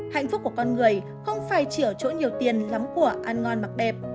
hạnh phúc của con người không phải chỉ ở chỗ nhiều tiền lắm của ăn ngon mặc đẹp